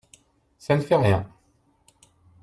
Ca ne fait rien…